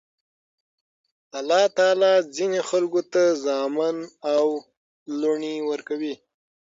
الله تعالی ځيني خلکو ته زامن او لوڼي ورکوي.